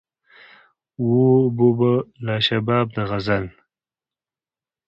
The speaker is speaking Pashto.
وو به به لا شباب د غزل